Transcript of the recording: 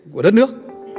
của đất nước